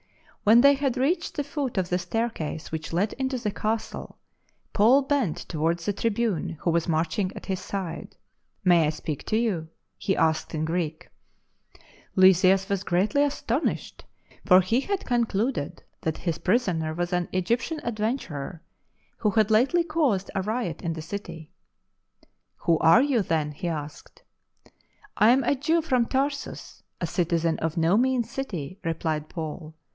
When they had reached the foot of the staircase which led into the castle, Paul bent towards the tribune who was marching at his " May I .speak to you ?" he asked in Greek. ^ for he had concluded that his prisoner was an Egyptian adventurer who had lately caused a riot in the city. " Who are you, then ?" he asked. " I am a Jew from Tarsus, a citizen of no mean city," replied Paul.